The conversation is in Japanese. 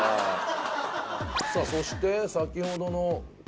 さあそして先ほどの。